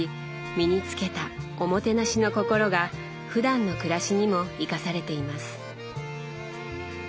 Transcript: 身に付けた「おもてなし」の心がふだんの暮らしにも生かされています。